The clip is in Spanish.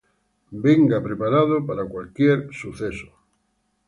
Venga preparado para cualquier evento.